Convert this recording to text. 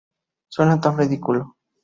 Suena tan ridículo.